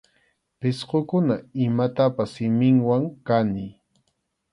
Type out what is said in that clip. Pisqukuna imatapas siminwan kaniy.